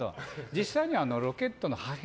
実際にはロケットの破片